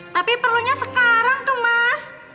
tapi perlunya sekarang tuh mas